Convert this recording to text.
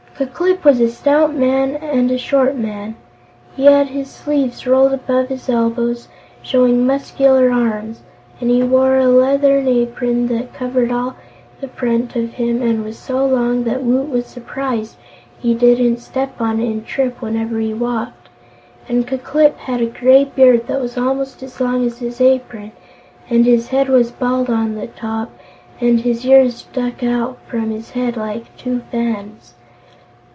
Ku Klip was a stout man and a short man. He had his sleeves rolled above his elbows, showing muscular arms, and he wore a leathern apron that covered all the front of him, and was so long that Woot was surprised he didn't step on it and trip whenever he walked. And Ku Klip had a gray beard that was almost as long as his apron, and his head was bald on top and his ears stuck out from his head like two fans.